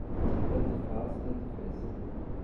Tanto faz, tanto fez.